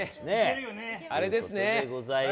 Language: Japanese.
あれですね。